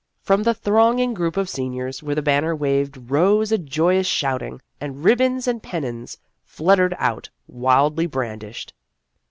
From the thronging group of seniors where the banner waved rose a joyous shouting, and ribbons and pennons flut tered out, wildly brandished.